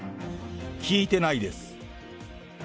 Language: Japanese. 聞いてないです。